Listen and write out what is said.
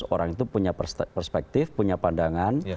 tiga ratus orang itu punya perspektif punya pandangan